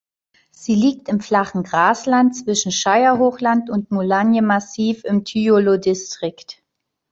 Sie liegt im flachen Grasland zwischen Shire-Hochland und Mulanje-Massiv im Thyolo-Distrikt.